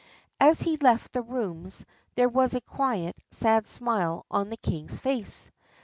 As he left the rooms there was a quiet, sad smile on the king's face.